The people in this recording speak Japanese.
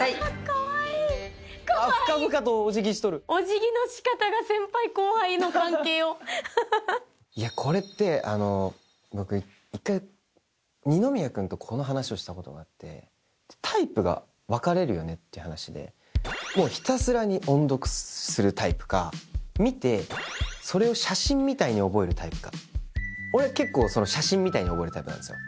カワイイカワイイあ深々とお辞儀しとるの関係をハハハいやこれってあの僕一回二宮くんとこの話をしたことがあってタイプが分かれるよねって話でひたすら音読するタイプか見てそれを写真みたいに覚えるタイプか俺結構写真みたいに覚えるタイプなんですよ